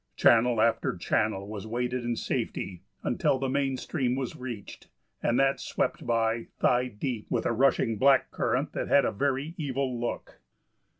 Channel after channel was waded in safety until the main stream was reached, and that swept by, thigh deep, with a rushing black current that had a very evil look.